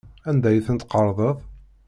Anda ay tent-tqerḍeḍ?